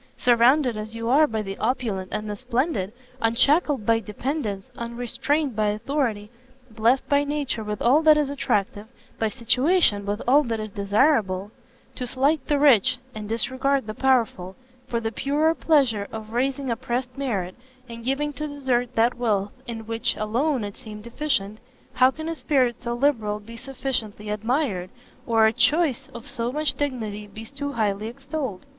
Surrounded as you are by the opulent and the splendid, unshackled by dependance, unrestrained by authority, blest by nature with all that is attractive, by situation with all that is desirable, to slight the rich, and disregard the powerful, for the purer pleasure of raising oppressed merit, and giving to desert that wealth in which alone it seemed deficient how can a spirit so liberal be sufficiently admired, or a choice of so much dignity be too highly extolled?"